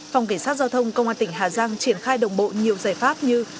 phòng cảnh sát giao thông công an tỉnh hà giang triển khai đồng bộ nhiều giải pháp như